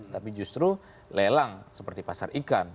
tapi justru lelang seperti pasar ikan